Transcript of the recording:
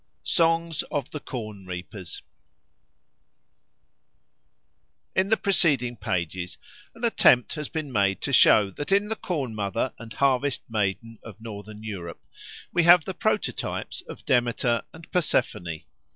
Songs of the Corn Reapers IN THE PRECEDING pages an attempt has been made to show that in the Corn mother and Harvest maiden of Northern Europe we have the prototypes of Demeter and Persephone.